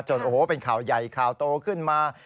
โอ้โหเป็นข่าวใหญ่ข่าวโตขึ้นมา